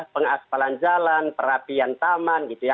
pengaspalan jalan perapian taman gitu ya